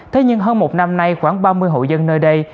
thế nhưng hơn một năm nay khoảng ba mươi hộ dân nơi đây